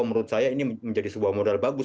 menurut saya ini menjadi sebuah modal bagus